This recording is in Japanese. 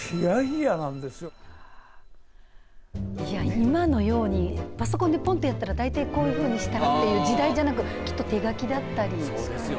今のようにパソコンでぽんとやったら、だいたいこういうふうにするという時代じゃなくきっと手書きだったり。